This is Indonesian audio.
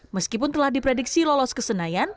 meskipun telah diprediksi lolos ke senayan